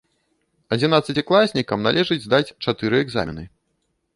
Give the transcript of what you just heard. Адзінаццацікласнікам належыць здаць чатыры экзамены.